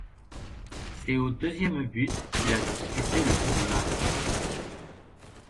C'est au deuxième but qu'il a disputé le plus de matchs.